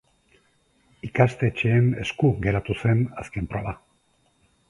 Ikastetxeen esku geratu zen azken proba.